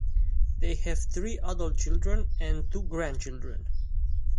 They have three adult children and two grandchildren.